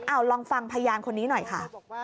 เอาลองฟังพยานคนนี้หน่อยค่ะ